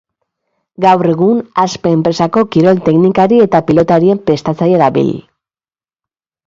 Gaur egun Aspe enpresako kirol teknikari eta pilotarien prestatzaile dabil.